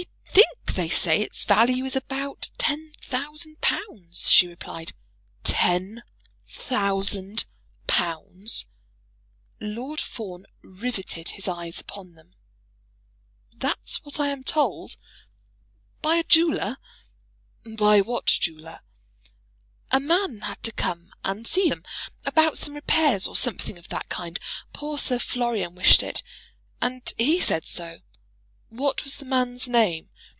"I think they say its value is about ten thousand pounds," she replied. "Ten thousand pounds!" Lord Fawn riveted his eyes upon them. "That's what I am told by a jeweller." "By what jeweller?" "A man had to come and see them, about some repairs, or something of that kind. Poor Sir Florian wished it. And he said so." "What was the man's name?"